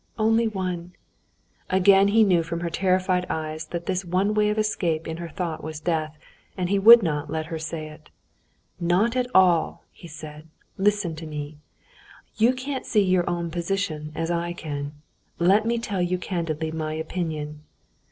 Only one...." Again he knew from her terrified eyes that this one way of escape in her thought was death, and he would not let her say it. "Not at all," he said. "Listen to me. You can't see your own position as I can. Let me tell you candidly my opinion."